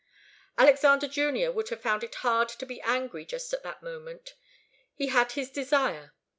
Alexander Junior would have found it hard to be angry just at that moment. He had his desire.